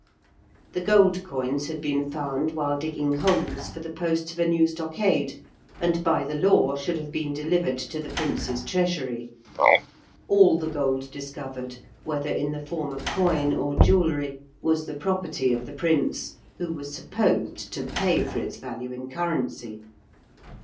The gold coins had been found while digging holes for the posts of a new stockade, and by the law should have been delivered to the prince's treasury. All the gold discovered, whether in the form of coin or jewellery, was the property of the Prince, who was supposed to pay for its value in currency.